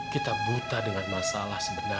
kita buta dengan masalah sebenarnya